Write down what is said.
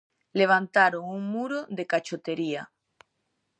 Levantaron un muro de cachotería.